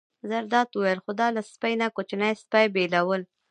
زرداد وویل: خو دا له سپۍ نه کوچنی سپی بېلول.